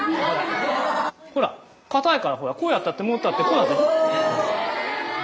ほら硬いからこうやったって持ったってこう。